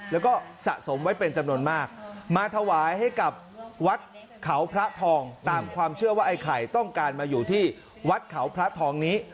แล้วก็สะสมไว้เป็นจำนวนมากมาถวายให้กับวัดเขาพระทองตามความเชื่อว่าไอ้ไข่ต้องการมาอยู่ที่วัดเขาพระทองนี้